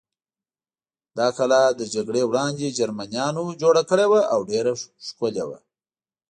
دا کلا تر جګړې وړاندې جرمنیان جوړه کړې وه او ډېره ښکلې وه.